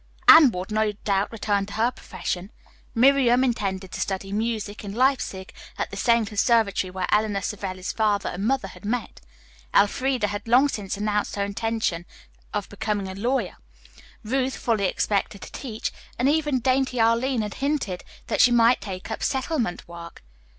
Anne would, no doubt, return to her profession. Miriam intended to study music in Leipsig at the same conservatory where Eleanor Savelli's father and mother had met. Elfreda had long since announced her intention of becoming a lawyer. Ruth fully expected to teach, and even dainty Arline had hinted that she might take up settlement work.